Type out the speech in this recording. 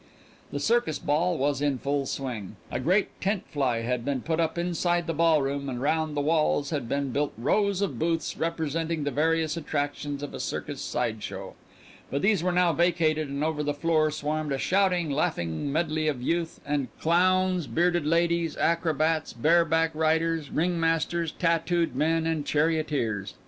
The circus ball was in full swing. A great tent fly had been put up inside the ballroom and round the walls had been built rows of booths representing the various attractions of a circus side show, but these were now vacated and over the floor swarmed a shouting, laughing medley of youth and color clowns, bearded ladies, acrobats, bareback riders, ringmasters, tattooed men, and charioteers.